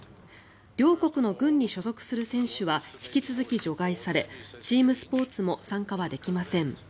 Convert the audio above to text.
両国の軍に所属する選手は引き続き除外されチームスポーツも参加はできません。